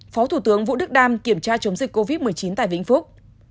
phó thủ tướng vũ đức đam kiểm tra chống dịch covid một mươi chín tại vĩnh phúc